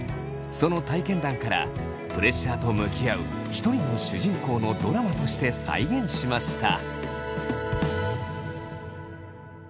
その体験談からプレッシャーと向き合う一人の主人公のドラマとして再現しました。